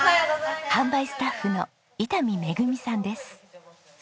販売スタッフの伊丹愛さんです。